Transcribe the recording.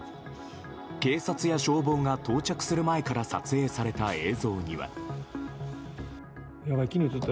警察や消防が到着する前から撮影された映像には。